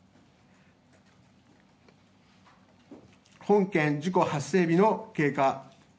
本件事故発生日の経過。